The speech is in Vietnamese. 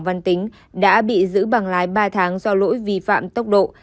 văn tính đã bị giữ bằng lái ba tháng do lỗi vi phạm tốc độ